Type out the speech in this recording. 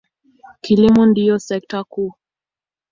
Kilimo ndiyo sekta kuu.